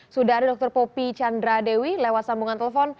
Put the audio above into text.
sudah ada dr popy chandra dewi lewat sambungan telepon